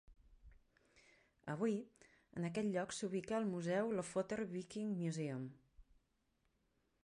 Avui, en aquest lloc s'ubica el museu Lofotr Viking Museum.